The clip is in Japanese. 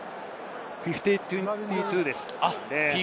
５０：２２です。